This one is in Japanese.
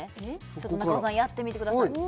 ちょっと中尾さんやってみてください